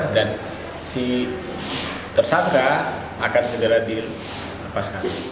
dan si tersangka akan segera dilepaskan